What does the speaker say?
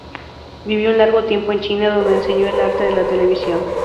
Vivió un largo tiempo en China donde enseñó el arte de la televisión.